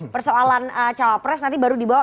persoalan cawapres nanti baru dibawa